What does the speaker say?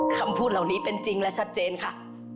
คำพูดเหล่านี้เป็นจริงและชัดเจนค่ะ